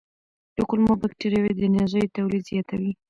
د کولمو بکتریاوې د انرژۍ تولید زیاتوي.